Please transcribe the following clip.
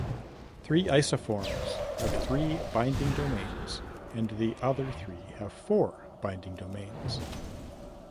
Three isoforms have three binding domains and the other three have four binding domains.